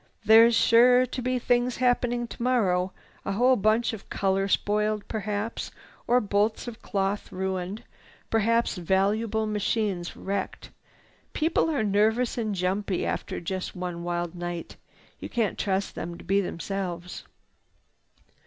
There's sure to be things happen tomorrow, a whole batch of color spoiled perhaps, or bolts of cloth ruined, perhaps valuable machines wrecked. People are nervous and jumpy after just one wild night. You can't trust them to be themselves.